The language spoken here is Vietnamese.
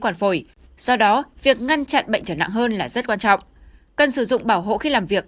quản phổi do đó việc ngăn chặn bệnh trở nặng hơn là rất quan trọng cần sử dụng bảo hộ khi làm việc